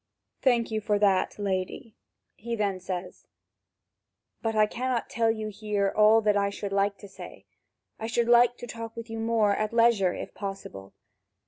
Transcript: "Thank you for that, lady," he then says; "but I cannot tell you here all that I should like to say; I should like to talk with you more at leisure, if possible."